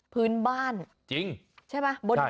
พื้นบ้านใช่เปล่า